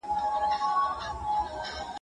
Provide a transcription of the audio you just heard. زه به تمرين کړي وي!.